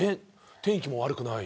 天気も悪くない。